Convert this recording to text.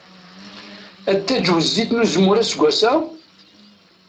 Ad d-taǧwew zzit n uzemmur aseggas-a?